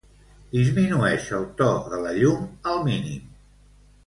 Disminueix el to de la llum al mínim.